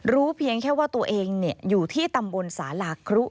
เพียงแค่ว่าตัวเองอยู่ที่ตำบลสาลาครุ